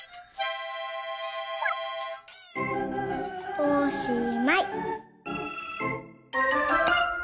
おしまい！